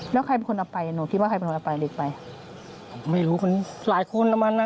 เด็กลูกมันดูลักษณะแล้ว